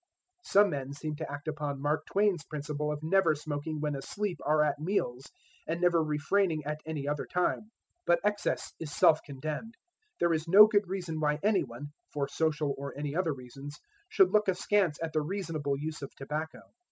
Some men seem to act upon Mark Twain's principle of never smoking when asleep or at meals, and never refraining at any other time. But excess is self condemned. There is no good reason why anyone, for social or any other reasons, should look askance at the reasonable use of tobacco.